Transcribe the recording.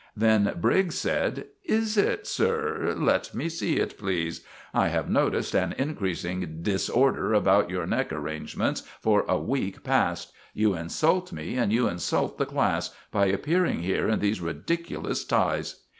Then Briggs said: "Is it, sir? Let me see it, please. I have noticed an increasing disorder about your neck arrangements for a week past. You insult me and you insult the class by appearing here in these ridiculous ties."